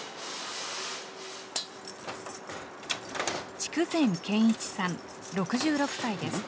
筑前賢一さん６６歳です。